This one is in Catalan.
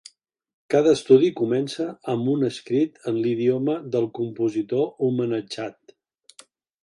Cada estudi comença amb un escrit en l'idioma del compositor homenatjat.